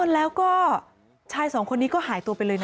แล้วก็ชายสองคนนี้ก็หายตัวไปเลยนะ